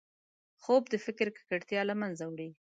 خوب د فکر ککړتیا له منځه وړي